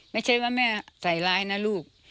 ไม่ใช่ว่าแม่ใส่ร้ายนะลูก